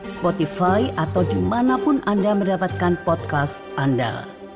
spotify atau dimanapun anda mendapatkan podcast anda